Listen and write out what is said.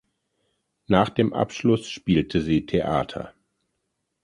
Nach dem Abschluss spielte sie Theater.